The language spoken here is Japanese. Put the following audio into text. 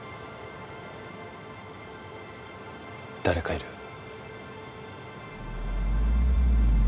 誰かいる。